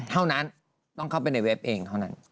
เท่านั้นต้องเข้าไปในเว็บเองเท่านั้น